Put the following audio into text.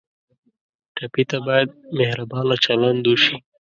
ټپي ته باید مهربانه چلند وشي.